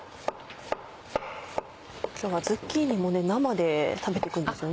今日はズッキーニも生で食べていくんですよね。